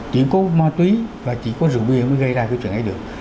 chỉ có ma túy và chỉ có rượu bia mới gây ra cái chuyện ấy được